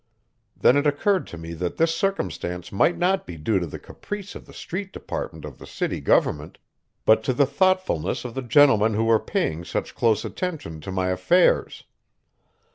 Then it occurred to me that this circumstance might not be due to the caprice of the street department of the city government, but to the thoughtfulness of the gentlemen who were paying such close attention to my affairs.